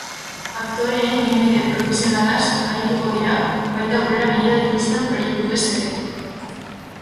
Aktoreen ibilbide profesionalaz arituko dira, baita aurrera begira dituzten proiektuez ere.